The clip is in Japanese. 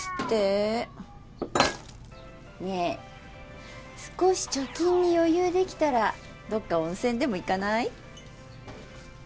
ねえ少し貯金に余裕できたらどっか温泉でも行かない？